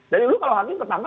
jadi lu kalau hakim pertama